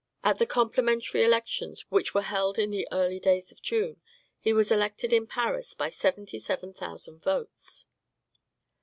At the complementary elections, which were held in the early days of June, he was elected in Paris by seventy seven thousand votes.